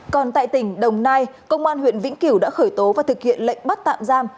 còn tại tỉnh đồng nai công an huyện vĩnh cửu đã khởi tố và thực hiện lệnh bắt tạm giam